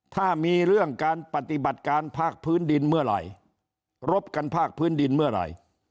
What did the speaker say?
ถ้ามีเรื่องการปฏิบัติการภาคพื้นดินเมื่อไหร่รบกันภาคพื้นดินเมื่อไหร่